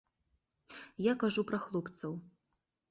Я кажу пра хлопцаў.